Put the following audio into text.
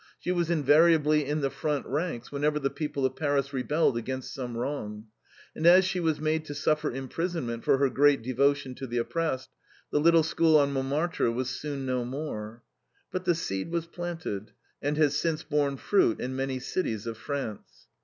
She was invariably in the front ranks whenever the people of Paris rebelled against some wrong. And as she was made to suffer imprisonment for her great devotion to the oppressed, the little school on Montmartre was soon no more. But the seed was planted, and has since borne fruit in many cities of France.